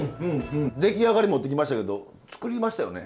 出来上がり持ってきましたけど作りましたよね？